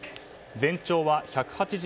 全長は１８６ｍ。